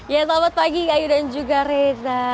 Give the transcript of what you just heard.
ya selamat pagi kak yudan juga reza